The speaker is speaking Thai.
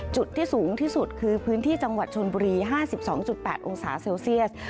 จุดที่สูงที่สุดคือพื้นที่จังหวัดชนบุรี๕๒๘องศาเซลเซียส